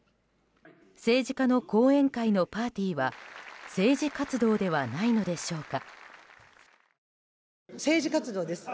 政治家の後援会のパーティーは政治活動ではないのでしょうか。